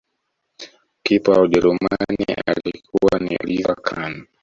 Kipa wa ujerumani alikuwa ni oliver Khan